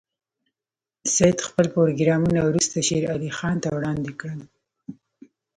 سید خپل پروګرامونه وروسته شېر علي خان ته وړاندې کړل.